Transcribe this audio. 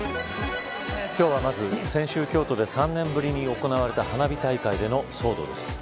今日はまず先週京都で３年ぶりに行われた花火大会での騒動です。